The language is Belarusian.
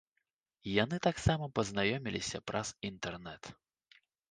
Яны таксама пазнаёміліся праз інтэрнэт.